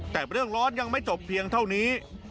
แต่ในแล้วก็ต้องเป็นพยาบาลใดเดียวกันใช่ไหม